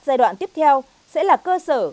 giai đoạn tiếp theo sẽ là cơ sở